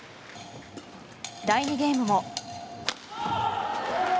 第２ゲームも。